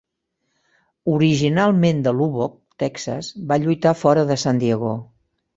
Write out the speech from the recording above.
Originalment de Lubbock, Texas, va lluitar fora de San Diego.